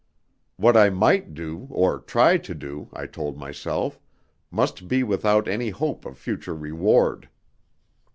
What I might do, or try to do, I told myself, must be without any hope of future reward.